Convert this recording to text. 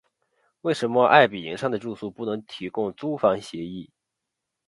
为什么爱迎彼上的住宿不能提供租房协议？